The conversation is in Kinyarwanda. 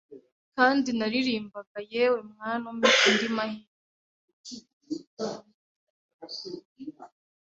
Kandi naririmbaga yewe mwana umpe andi mahirwe